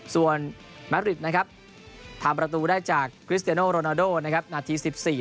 ส่วนแมริดนะครับทำประตูได้จากคริสเตโนโรนาโดนะครับนาที๑๔